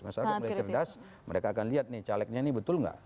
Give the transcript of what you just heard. masyarakat melihat cerdas mereka akan lihat nih calegnya ini betul nggak